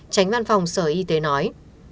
tránh văn phòng sở y tế nói